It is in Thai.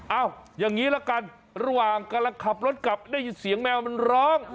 อย่างนี้ละกันระหว่างกำลังขับรถกลับได้ยินเสียงแมวมันร้อง